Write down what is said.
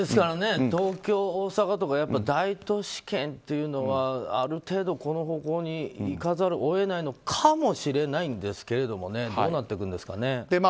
東京、大阪とかの大都市圏というのはある程度、この方向に行かざるを得ないのかもしれないんですけどどうなっていくんですかね。